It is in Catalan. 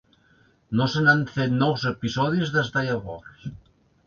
No se n'han fet nous episodis des de llavors.